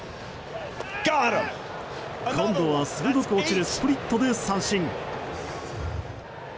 今度は鋭く落ちるスプリットで三振。